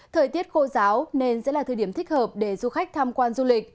thời tiết khô giáo nên sẽ là thời điểm thích hợp để du khách tham quan du lịch